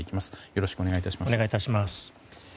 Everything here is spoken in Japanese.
よろしくお願いします。